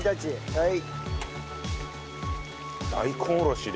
はい。